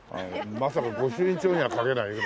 まさか御朱印帳には書けないよな。